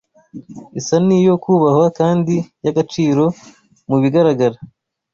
isa n’iyo kubahwa kandi y’agaciro mu bigaragara